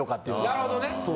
なるほどね。